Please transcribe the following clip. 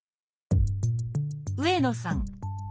上野さん